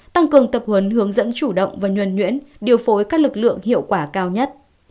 tăng cường tập huấn hướng dẫn chủ động và nhuần nhuyễn điều phối các lực lượng hiệu quả cao nhất